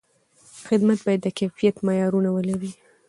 خدمت باید د کیفیت معیارونه ولري.